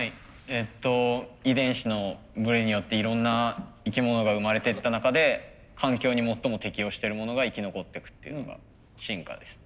えっと遺伝子のブレによっていろんな生き物が生まれてった中で環境に最も適応してるものが生き残ってくっていうのが進化です。